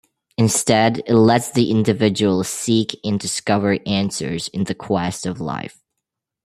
Instead it lets the individual seek and discover answers in the quest of life.